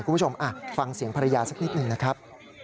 คุณผู้ชมฟังเสียงภรรยาสักนิดหนึ่งนะครับ